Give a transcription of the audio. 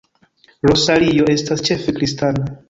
Rosario estas ĉefe kristana.